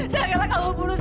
saya rela kau bunuh saya